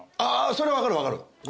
それは分かる分かる。